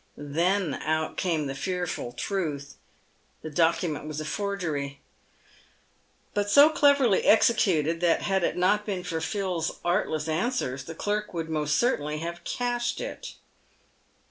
Then out came the fearful truth. The document was a forgery^ but so cleverly executed, that, had it not been for Phil's artless answers, the clerk would most certainly have cashed it.